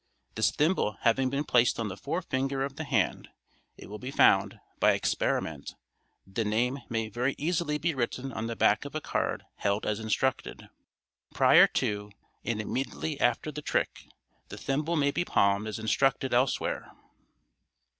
This thimble having been placed on the forefinger of the hand, it will be found, by experiment, that the name may very easily be written on the back of a card held as instructed. Prior to, and immediately after the trick, the thimble may be palmed as instructed elsewhere.